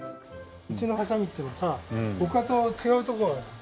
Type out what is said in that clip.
うちのはさみっていうのはさ他と違うところがある。